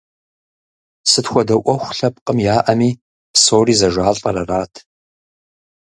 Сыт хуэдэ ӏуэху лъэпкъым яӏэми псори зэжалӏэр арат.